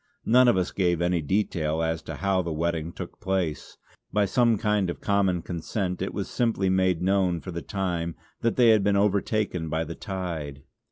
None of us gave any detail as to how the wetting took place; by some kind of common consent it was simply made known for the time that they had been overtaken by the tide.